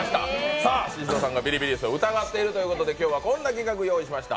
宍戸さんがビリビリ椅子を疑っているということで、こんな企画を用意しました。